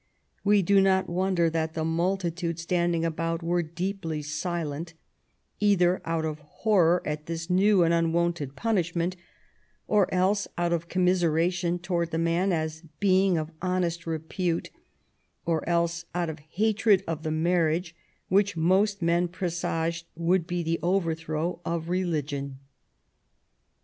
We do not wonder that the " multitude standing about was deeply silent, either out of horror at this new and unwonted punishment, or else out of commiseration towards the man, as being of honest repute, or else out of hatred of the marriage, which most men presaged would be the overthrow of religion .